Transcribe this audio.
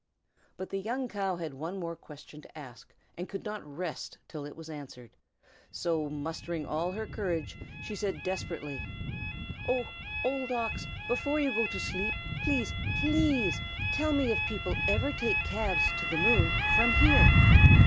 But the young cow had one more question to ask, and could not rest till it was answered; so mustering all her courage, she said, desperately, "Oh, Old Ox! before you go to sleep, please please, tell me if people ever take calves to the moon from here?"